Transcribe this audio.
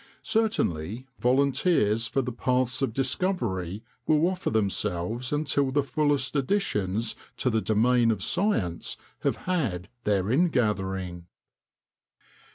Certainly volunteers for the paths of discovery will offer themselves until the fullest additions to the domain of science have had their ingathering."